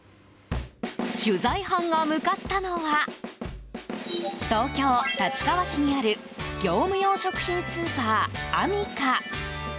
取材班が向かったのは東京・立川市にある業務用食品スーパーアミカ。